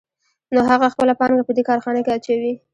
نو هغه خپله پانګه په دې کارخانه کې اچوي